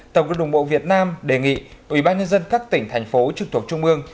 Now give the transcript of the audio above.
tổng cục đồng bộ việt nam đề nghị ubnd các tỉnh thành phố trực thuộc trung ương